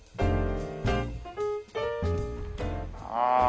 ああ。